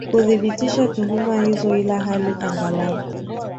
kuthibitisha tuhuma hizo ila hali aghalabu